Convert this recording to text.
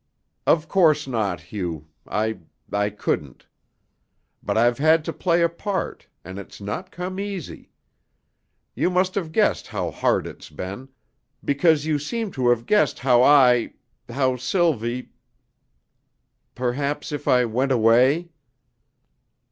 "Of course not, Hugh. I I couldn't. But I've had to play a part, and it's not come easy. You must have guessed how hard it's been, because you seem to have guessed how I how Sylvie Perhaps if I went away?"